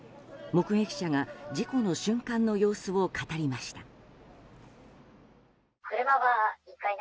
目撃者が事故の瞬間の様子を語りました。